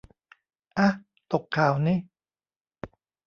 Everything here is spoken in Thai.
อ๊ะ ตกข่าวนิ